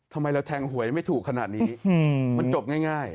ทำไมเราแทงหวยไม่ถูกขนาดนี้มันจบง่าย